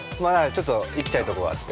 ◆ちょっと行きたいとこがあって。